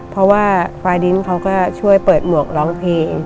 เพราะว่าฝ่ายดินเขาก็ช่วยเปิดหมวกร้องเพลง